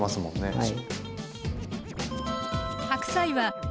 はい。